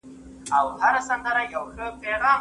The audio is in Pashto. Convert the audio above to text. دا رنګ تر هغه بل ډېر روښانه دی.